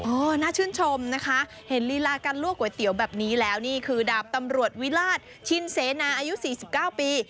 น่าชื่นชมนะคะเห็นลีลาการลวกก๋วยเตี๋ยวแบบนี้แล้วนี่คือดาบตำรวจวิราชชินเสนาอายุ๔๙ปี